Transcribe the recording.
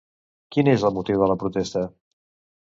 Quin és el motiu de la protesta?